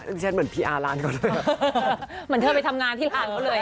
อื้มปริฉันเหมือนพี่อาลานกันเลย